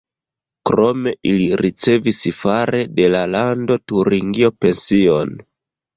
Krome ili ricevis fare de la Lando Turingio pension.